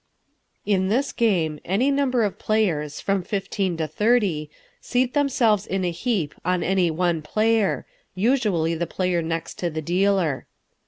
In this game any number of players, from fifteen to thirty, seat themselves in a heap on any one player, usually the player next to the dealer.